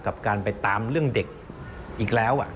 กับการไปตามเรื่องเด็กอีกแล้ว